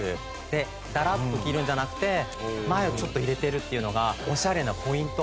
でダラッと着るんじゃなくて前をちょっと入れてるっていうのがオシャレなポイント。